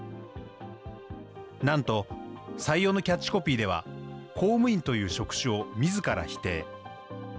なんと採用のキャッチコピーでは、公務員という職種をみずから否定。